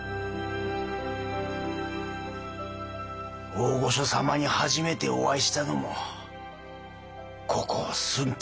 大御所様に初めてお会いしたのもここ駿府でしたな。